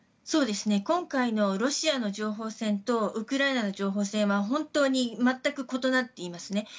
今回のロシアの情報戦とウクライナの情報戦は本当に全く異なっていますね。